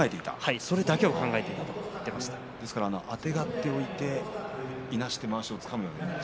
それだけを考えていたということあてがっていなしてまわしをつかむ感じで。